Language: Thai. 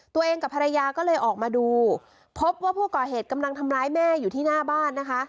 ตัวเองกับภรรยาก็เลยออกมาดูพบว่าผู้ก่อเหตุกำลังทำร้ายแม่อยู่ที่หน้าบ้านนะคะ